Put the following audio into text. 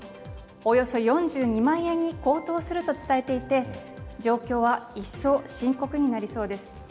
およそ４２万円に高騰すると伝えていて状況は一層深刻になりそうです。